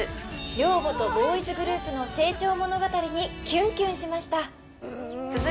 寮母とボーイズグループの成長物語にキュンキュンしました